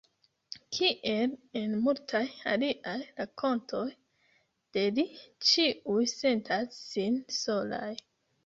Kiel en multaj aliaj rakontoj de li, ĉiuj sentas sin solaj.